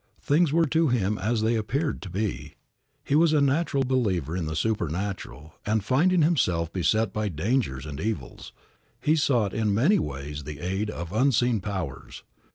Things were to him as they appeared to be. He was a natural believer in the supernatural, and, finding himself beset by dangers and evils, he sought in many ways the aid of unseen powers.